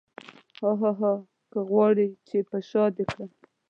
هاهاها که غواړې چې په شاه دې کړم.